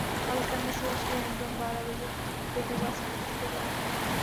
پاکستان میں سورج گرہن دن بارہ بجے دیکھا جا سکے گا